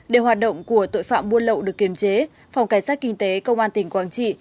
để hoạt động của tội phạm buôn lậu được kiềm chế phòng cảnh sát kinh tế công an tỉnh quảng trị